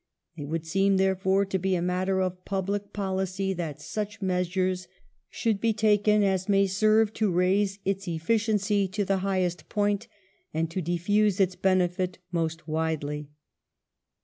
It would seem, therefore, to be a matter of public policy that ... such measures should be taken as may serve to raise its efficiency to the highest point and to diffuse its benefits most widely."